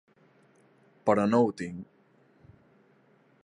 Però no ho tinc.